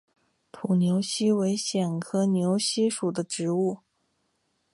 土牛膝为苋科牛膝属的植物。